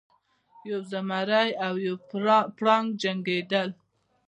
یو زمری او یو پړانګ جنګیدل.